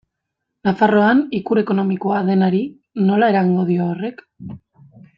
Nafarroan ikur ekonomikoa denari nola eragingo dio horrek?